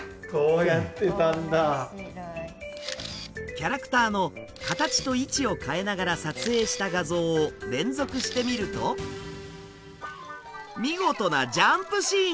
キャラクターの形と位置を変えながら撮影した画像を連続してみると見事なジャンプシーンに！